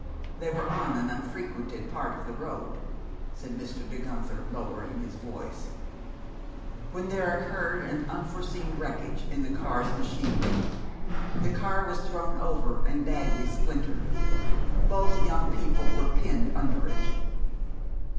They were on an unfrequented part of the road," said Mr. De Guenther, lowering his voice, "when there occurred an unforeseen wreckage in the car's machinery. The car was thrown over and badly splintered. Both young people were pinned under it.